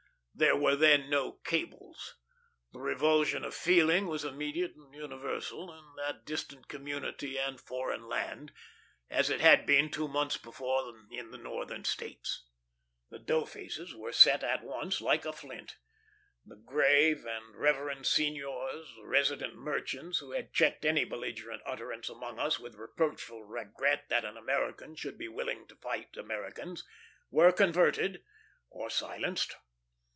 There were then no cables. The revulsion of feeling was immediate and universal, in that distant community and foreign land, as it had been two months before in the Northern States. The doughfaces were set at once, like a flint. The grave and reverend seigniors, resident merchants, who had checked any belligerent utterance among us with reproachful regret that an American should be willing to fight Americans, were converted or silenced.